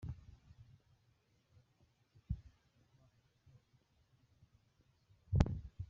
Bivugwa ko yavangaga umutobe w’imineke, isukari n’amazi.